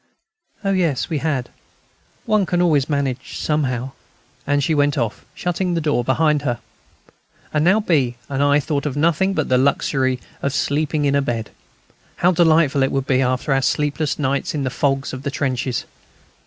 "Oh, yes, we had. One can always manage somehow." And she went off, shutting the door behind her. And now B. and I thought of nothing but the luxury of sleeping in a bed. How delightful it would be after our sleepless nights in the fogs of the trenches!